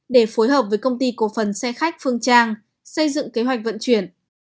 để phối hợp với công ty cổ phần xe khách phương trang xây dựng kế hoạch vận chuyển